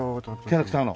キャラクターの。